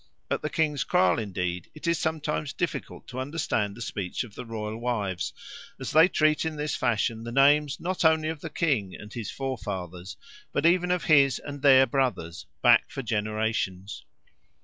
At the king's kraal, indeed, it is sometimes difficult to understand the speech of the royal wives, as they treat in this fashion the names not only of the king and his forefathers, but even of his and their brothers back for generations.